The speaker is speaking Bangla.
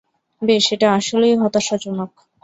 বেশ, এটা আসলেই হতাশাজনক।